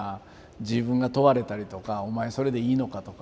自分が問われたりとかお前それでいいのか？とか。